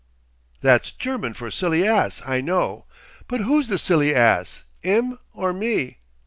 "That's German for silly ass! I know. But who's the silly ass 'im or me?